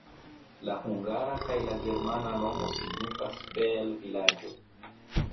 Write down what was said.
La hungara kaj la germana nomo signifas "bel-vilaĝo".